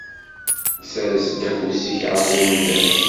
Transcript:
Ssers-d afus-ik ɣef umdan.